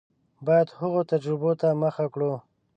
باید هغو تجربو ته مخه کړو.